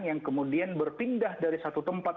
yang kemudian berpindah dari satu tempat